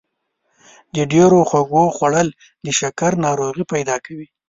د ډېرو خوږو خوړل د شکر ناروغي پیدا کوي.